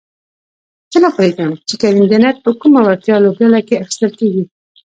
زه نپوهېږم چې کریم جنت په کومه وړتیا لوبډله کې اخیستل کیږي؟